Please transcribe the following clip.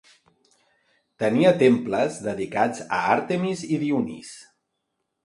Tenia temples dedicats a Àrtemis i Dionís.